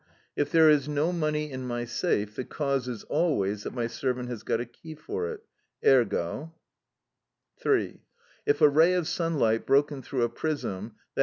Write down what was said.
"If there is no money in my safe, the cause is always that my servant has got a key for it: ergo—." (3.) "If a ray of sunlight, broken through a prism, _i.